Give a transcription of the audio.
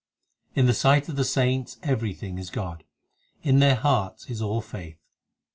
4 In the sight of the saints everything is God ; In their hearts is all faith.